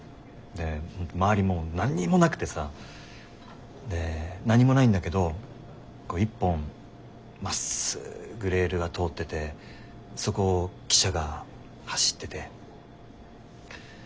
で周りも何にもなくてさで何もないんだけど１本まっすぐレールが通っててそこを汽車が走ってて。